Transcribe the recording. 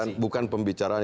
tapi bukan pembicaraan